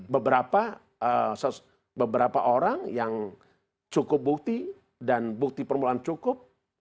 beberapa orang yang cukup bukti dan bukti permulaan cukup